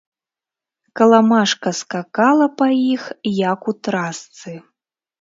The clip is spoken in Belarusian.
Каламажка скакала па іх, як у трасцы.